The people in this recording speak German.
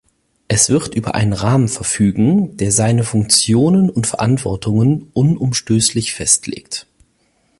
Es wird über einen Rahmen verfügen, der seine Funktionen und Verantwortungen unumstößlich festlegt.